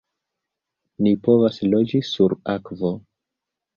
"Ni povas loĝi sur akvo!"